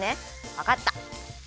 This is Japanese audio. わかった！